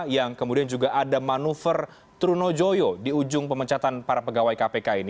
yang kemudian juga ada manuver trunojoyo di ujung pemecatan para pegawai kpk ini